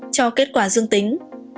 cho kết quả dương tính